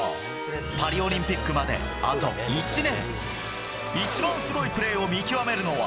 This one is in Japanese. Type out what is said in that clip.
パリオリンピックまであと１年。